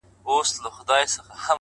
د تجربې درد تل بې ګټې نه وي